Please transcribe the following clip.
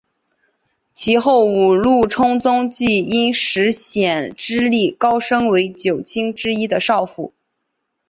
其后五鹿充宗即因石显之力高升为九卿之一的少府。